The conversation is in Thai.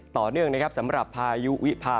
ต่อเนื่องนะครับสำหรับพายุวิพา